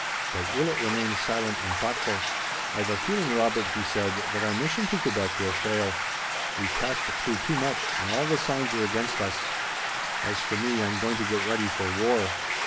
But Willet remained silent and thoughtful. "I've a feeling, Robert," he said, "that our mission to Quebec will fail. We've passed through too much, and all the signs are against us. As for me, I'm going to get ready for war."